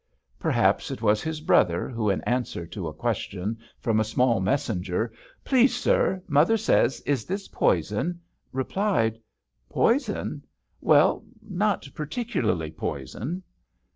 Perhaps it was his brother, who in answer to a question from a small messenger: "Please, sir, mother says, is this poison?" replied : "Poison? Well not particularly poison."